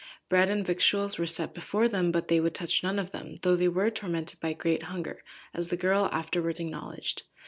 Bread and victuals were set before them, but they would touch none of them, though they were tormented by great hunger, as the girl afterwards acknowledged.